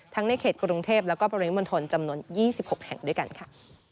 ทั้งในเขตกรุงเทพฯและก็บริเวณมันทนจำนวน๒๖แห่งด้วยกันค่ะ